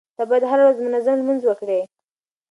ته بايد هره ورځ منظم لمونځ وکړې.